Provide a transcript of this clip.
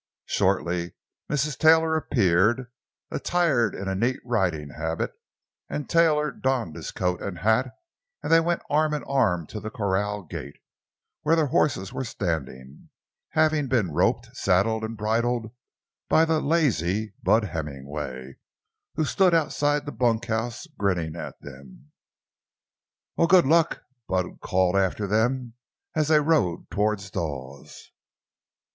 Shortly Mrs. Taylor appeared, attired in a neat riding habit, and Taylor donned coat and hat, and they went arm in arm to the corral gate, where their horses were standing, having been roped, saddled, and bridled by the "lazy" Bud Hemmingway, who stood outside the bunkhouse grinning at them. "Well, good luck!" Bud called after them as they rode toward Dawes.